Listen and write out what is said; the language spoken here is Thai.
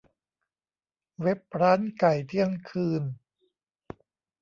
เว็บร้านไก่เที่ยงคืน